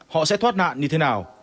họ sẽ thoát nạn như thế nào